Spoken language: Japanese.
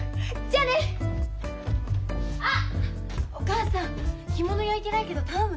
あっお母さん干物焼いてないけど頼むね。